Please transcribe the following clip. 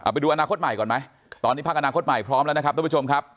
ไปดูอนาคตใหม่ก่อนไหมตอนนี้พักอนาคตใหม่พร้อมแล้วนะครับทุกผู้ชมครับ